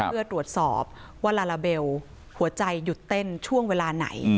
เพื่อตรวจสอบว่าลาลาเบลหัวใจหยุดเต้นช่วงเวลาไหน